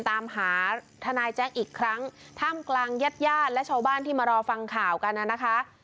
ตามหาทนายแจ๊คอีกครั้งท่ามกลางญาติญาติและชาวบ้านที่มารอฟังข่าวกันน่ะนะคะ